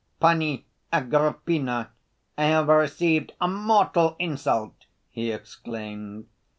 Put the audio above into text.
"Pani Agrippina, I have received a mortal insult!" he exclaimed.